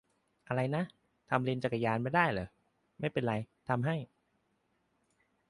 อะไรนะ ? ทำเลนจักรยานไม่ได้เหรอ ? ไม่เป็นไร ทำให้